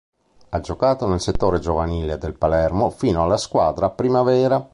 Ha giocato nel settore giovanile del Palermo, fino alla squadra Primavera.